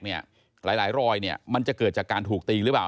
หลายรอยมันจะเกิดจากการถูกตีหรือเปล่า